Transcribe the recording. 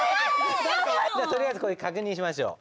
とりあえずこれ確認しましょう。